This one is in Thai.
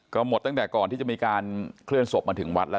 ก็หมดตั้งแต่ก่อนที่จะมีการเคลื่อนศพมาถึงวัดแล้ว